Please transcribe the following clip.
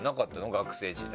学生時代。